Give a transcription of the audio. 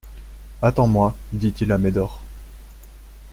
Attends-moi, dit-il à Médor.